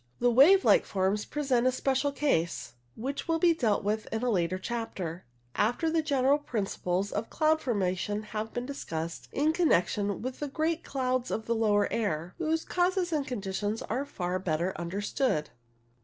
The wave like forms present a special case, which will be dealt with in a later chapter, after the general principles of cloud formation have been discussed in connection with the great clouds of the lower air, whose causes and conditions are far better understood.